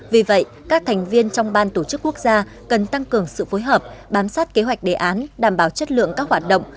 vì vậy các thành viên trong ban tổ chức quốc gia cần tăng cường sự phối hợp bám sát kế hoạch đề án đảm bảo chất lượng các hoạt động